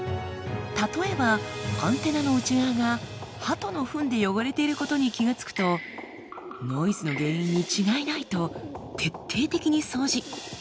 例えばアンテナの内側がハトのふんで汚れていることに気が付くとノイズの原因に違いないと徹底的に掃除。